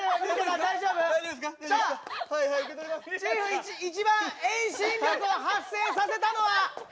一番遠心力を発生させたのは。